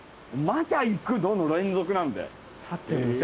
まだいくのの連続なんで。